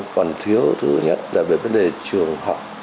còn thiếu thứ nhất là về vấn đề trường học